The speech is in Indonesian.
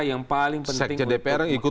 yang paling penting dpr ikut